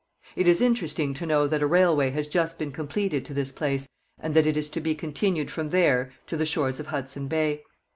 It is interesting to know that a railway has just been completed to this place, and that it is to be continued from there to the shores of Hudson Bay.